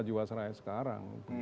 jiwas raya sekarang